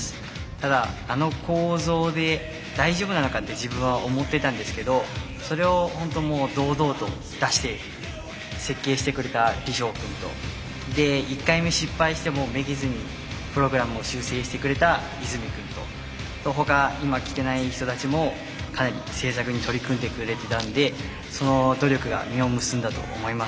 ただあの構造で大丈夫なのかって自分は思ってたんですけどそれをホントもう堂々と出して設計してくれた李昌君とで１回目失敗してもめげずにプログラムを修正してくれた和泉君と他今来てない人たちもかなり製作に取り組んでくれてたんでその努力が実を結んだと思います。